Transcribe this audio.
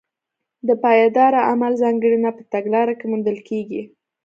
د پایداره عمل ځانګړنه په تګلاره کې موندل کېږي.